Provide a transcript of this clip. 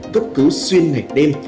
cấp cứu xuyên ngày đêm